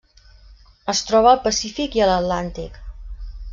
Es troba al Pacífic i l'Atlàntic.